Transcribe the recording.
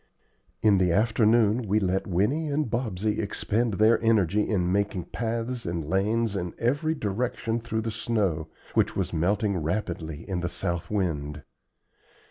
In the afternoon we let Winnie and Bobsey expend their energy in making paths and lanes in every direction through the snow, which was melting rapidly in the south wind.